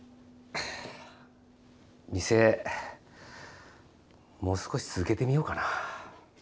店もう少し続けてみようかな。